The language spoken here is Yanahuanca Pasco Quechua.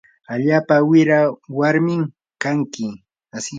allaapa wira warmin kanki.